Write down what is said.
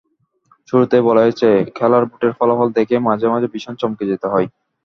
শুরুতেই বলা হয়েছে, খেলার ভোটের ফলাফল দেখে মাঝে মাঝে ভীষণ চমকে যেতে হয়।